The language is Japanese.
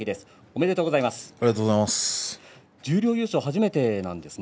おめでとうございます。